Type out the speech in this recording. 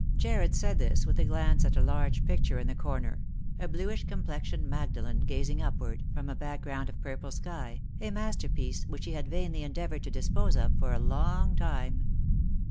Jarred said this with a glance at a large picture in the corner — a bluish complexioned Magdalen gazing upward, from a back ground of purple sky, a masterpiece which he had vainly endea voured to dispose of for a long time.